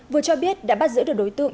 vừa cho biết đã bắt giữ được đối tượng